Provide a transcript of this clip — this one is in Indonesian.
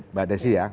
mbak desi ya